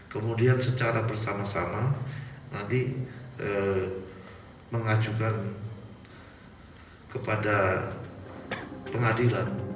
kemudian secara bersama sama nanti mengajukan kepada pengadilan